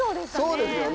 そうですよね。